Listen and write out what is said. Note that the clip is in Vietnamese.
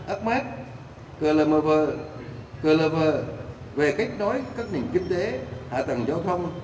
akmat kuala lumpur về kết nối các nền kinh tế hạ tầng giao thông